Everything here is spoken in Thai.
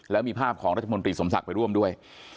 แล้วมีภาพของรัฐมนตรีสมศักดิ์ไปร่วมด้วย